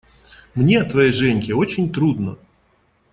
Мне, твоей Женьке, очень трудно.